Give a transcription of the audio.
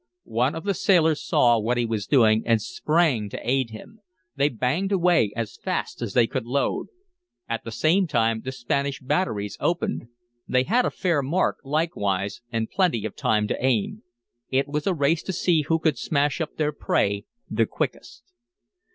One of the sailors saw what he was doing, and sprang to aid him. They banged away as fast as they could load. At the same time the Spanish batteries opened. They had a fair mark, likewise, and plenty of time to aim. It was a race to see who could smash up their prey the quickest.